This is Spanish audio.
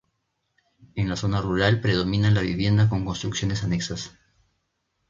En la zona rural predomina la vivienda con construcciones anexas.